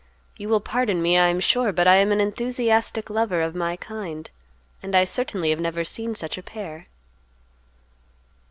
You will pardon me, I am sure, but I am an enthusiastic lover of my kind, and I certainly have never seen such a pair."